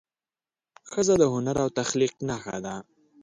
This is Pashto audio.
ښځه د هنر او تخلیق نښه ده.